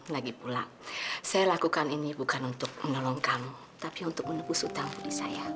lagipula saya lakukan ini bukan untuk menolong kamu tapi untuk menepus hutang budi saya